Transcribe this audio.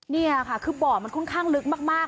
นี่ค่ะคือบ่อมันค่อนข้างลึกมาก